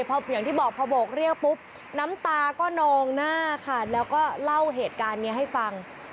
พออย่างที่บอกพอโบกเรียกปุ๊บน้ำตาก็นองหน้าค่ะแล้วก็เล่าเหตุการณ์นี้ให้ฟัง